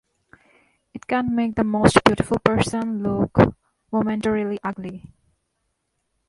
It can make the most beautiful person look momentarily ugly.